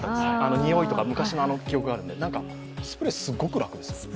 においとか昔の記憶があるんでなんか、スプレーすごく楽です。